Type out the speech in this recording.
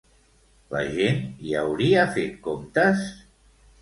La gent hi hauria fet comptes?